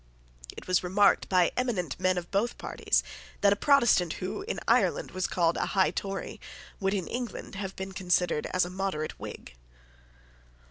It was remarked by eminent men of both parties that a Protestant who, in Ireland, was called a high Tory would in England have been considered as a moderate Whig.